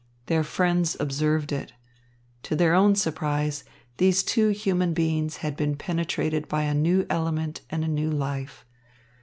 Their friends observed it. To their own surprise, these two human beings had been penetrated by a new element and a new life.